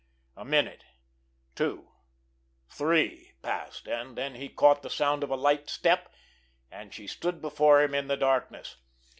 A minute, two, three passed, and then he caught the sound of a light step, and she stood before him in the darkness.